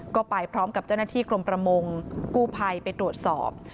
ก็ไปพร้อมกับเจ้าหน้าที่กรมประมงกู้ภัยไปตรวจสอบ